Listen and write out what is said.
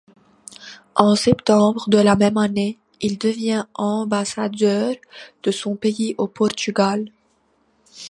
En septembre de la même année, il devient ambassadeur de son pays au Portugal.